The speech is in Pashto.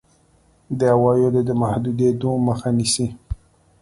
د عوایدو د محدودېدو مخه نیسي.